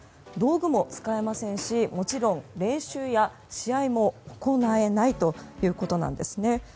道具も使えませんしもちろん、練習や試合も行えないということなんです。